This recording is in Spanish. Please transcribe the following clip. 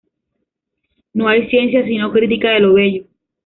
No hay ciencia sino crítica de lo bello.